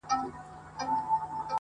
له غرونو واوښتم، خو وږي نس ته ودرېدم .